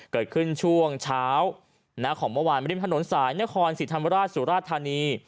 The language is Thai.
เกิดขึ้นช่วงเช้าของเมื่อวานริมถนนสายนครสิทธรรมราชสุราธานี